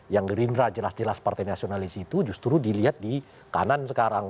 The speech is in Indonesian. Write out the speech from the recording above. yang gerindra jelas jelas partai nasionalis itu justru dilihat di kanan sekarang